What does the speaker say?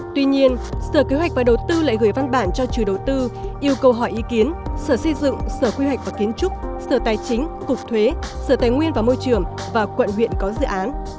tuy nhiên sở kế hoạch và đầu tư lại gửi văn bản cho chủ đầu tư yêu cầu hỏi ý kiến sở xây dựng sở quy hoạch và kiến trúc sở tài chính cục thuế sở tài nguyên và môi trường và quận huyện có dự án